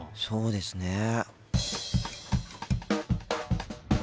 そうですね。